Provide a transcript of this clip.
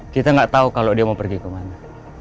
kita gak tau kalau dia mau pergi ke mana